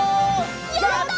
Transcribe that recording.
やった！